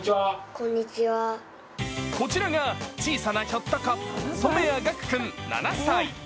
こちらが小さなひょっとこ、染谷岳玖君７歳。